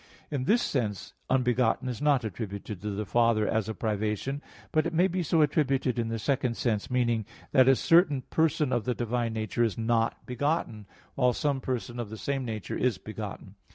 In this sense, "unbegotten" is not attributed to the Father as a privation, but it may be so attributed in the second sense, meaning that a certain person of the divine nature is not begotten, while some person of the same nature is begotten.